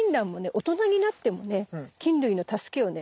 大人になってもね菌類の助けをね